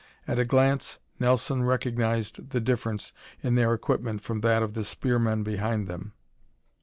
At a glance Nelson recognized the difference in their equipment from that of the spearmen behind them.